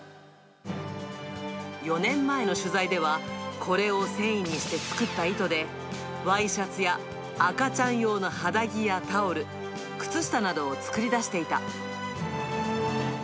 ４年前の取材では、これを繊維にして作った糸で、ワイシャツや赤ちゃん用の肌着やタオル、靴下などを作り出していた。